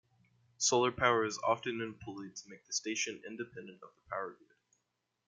Solar power is often employed to make the station independent of the power grid.